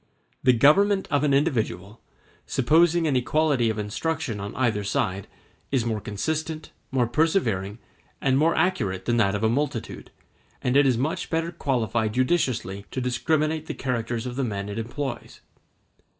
The government of an individual, supposing an equality of instruction on either side, is more consistent, more persevering, and more accurate than that of a multitude, and it is much better qualified judiciously to discriminate the characters of the men it employs.